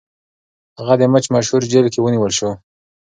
هغه د مچ مشهور جیل کې ونیول شو.